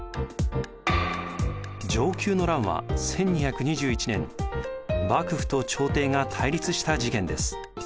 承久の乱は１２２１年幕府と朝廷が対立した事件です。